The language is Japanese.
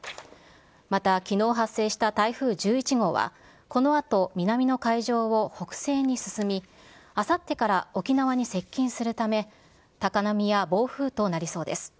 また、きのう発生した台風１１号は、このあと、南の海上を北西に進み、あさってから沖縄に接近するため、高波や暴風となりそうです。